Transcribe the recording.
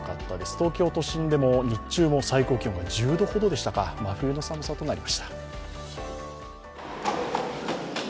東京都心でも日中も最高気温が１０度ほどでしたか、真冬の寒さとなりました。